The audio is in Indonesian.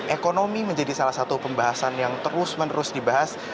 ekonomi menjadi salah satu pembahasan yang terus menerus dibahas